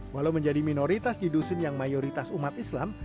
walau menjadi minoritas di dusun yang mayoritas umat islam